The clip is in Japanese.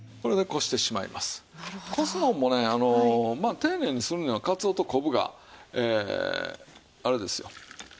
丁寧にするにはかつおと昆布があれですよ。